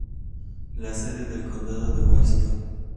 La sede del condado es Washington.